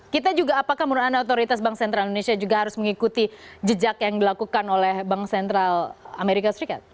kita juga apakah menurut anda otoritas bank sentral indonesia juga harus mengikuti jejak yang dilakukan oleh bank sentral amerika serikat